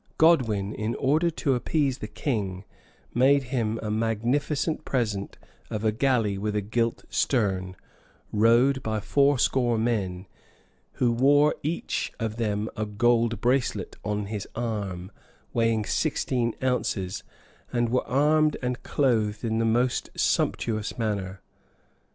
Godwin, in order to appease the king; made him a magnificent present of a galley with a gilt stern, rowed by fourscore men, who wore each of them a gold bracelet on his arm, weighing sixteen ounces, and were armed and clothed in the most sumptuous manner.